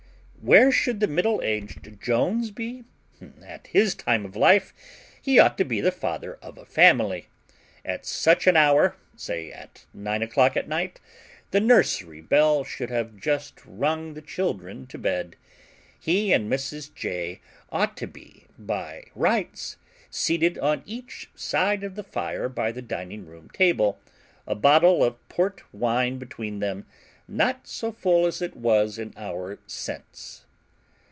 Where should the middle aged Jones be? At his time of life, he ought to be the father of a family. At such an hour say, at nine o'clock at night the nursery bell should have just rung the children to bed. He and Mrs. J. ought to be, by rights, seated on each side of the fire by the dining room table, a bottle of port wine between them, not so full as it was an hour since.